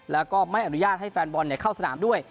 แล้วก็ไม่อนุญาตให้แฟนบอลเข้าสนามด้วย